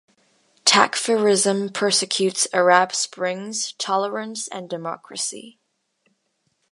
Takfirism persecutes Arab springs, tolerance and democracy.